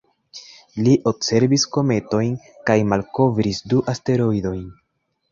Li observis kometojn kaj malkovris du asteroidojn.